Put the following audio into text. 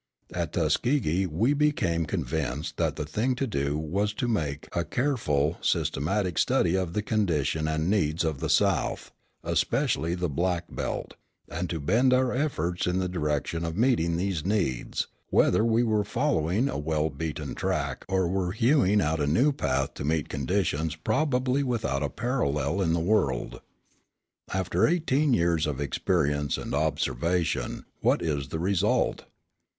At Tuskegee we became convinced that the thing to do was to make a careful, systematic study of the condition and needs of the South, especially the Black Belt, and to bend our efforts in the direction of meeting these needs, whether we were following a well beaten track or were hewing out a new path to meet conditions probably without a parallel in the world. After eighteen years of experience and observation, what is the result?